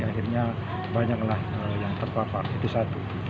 akhirnya banyaklah yang terpapar itu satu